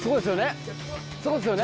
そこですよね？